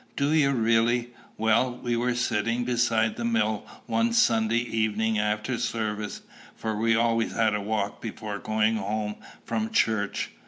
"Do you really? Well, we were sitting beside the mill one Sunday evening after service; for we always had a walk before going home from church.